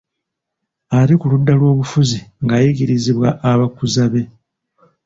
Ate ku ludda lw'obufuzi ng'ayigirizibwa abakuza be.